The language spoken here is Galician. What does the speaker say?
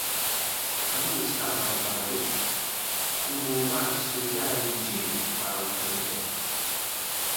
Aí estaba o paradoxo, como o mar se virara invisíbel para os terrícolas.